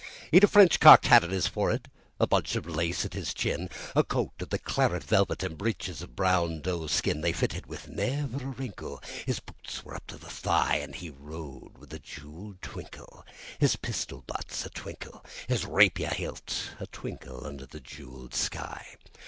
He'd a French cocked hat on his forehead, and a bunch of lace at his chin; He'd a coat of the claret velvet, and breeches of fine doe skin. They fitted with never a wrinkle; his boots were up to his thigh! And he rode with a jeweled twinkle His rapier hilt a twinkle His pistol butts a twinkle, under the jeweled sky.